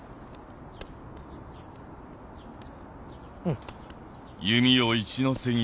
うん。